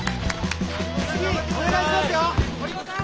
次お願いしますよ！